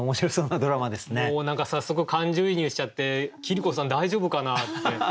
もう何か早速感情移入しちゃって桐子さん大丈夫かなって。